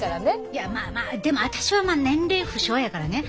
いやまあまあでも私は年齢不詳やからね。